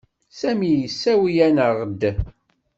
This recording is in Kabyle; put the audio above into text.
Sami yessawel-aneɣ-d.